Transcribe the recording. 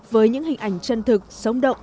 với những hình ảnh chân thực sống động